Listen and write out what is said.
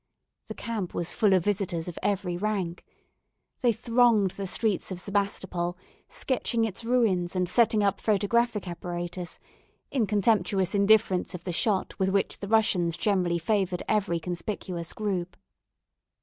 The camp was full of visitors of every rank. They thronged the streets of Sebastopol, sketching its ruins and setting up photographic apparatus, in contemptuous indifference of the shot with which the Russians generally favoured every conspicuous group.